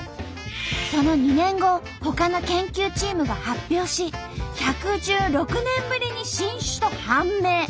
その２年後ほかの研究チームが発表し１１６年ぶりに新種と判明。